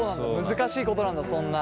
難しいことなんだそんな。